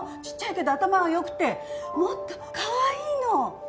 ちっちゃいけど頭は良くてもっとかわいいの。